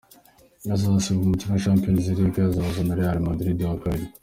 Azasiba umukino wa Champions League uzabahuza na Real Madrid ku wa Kabiri.